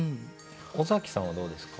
尾崎さんはどうですか？